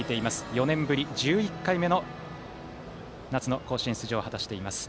４年ぶり１１回目の夏の甲子園出場を果たしています。